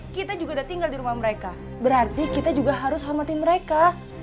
kita juga udah tinggal di rumah mereka berarti kita juga harus hormati mereka